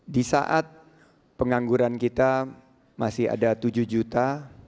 di saat pengangguran kita masih ada tujuh juta